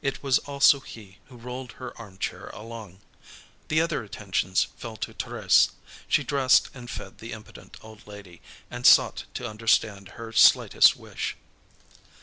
It was also he who rolled her armchair along. The other attentions fell to Thérèse. She dressed and fed the impotent old lady, and sought to understand her slightest wish.